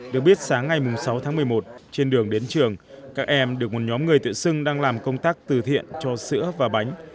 được biết sáng ngày sáu tháng một mươi một trên đường đến trường các em được một nhóm người tự xưng đang làm công tác từ thiện cho sữa và bánh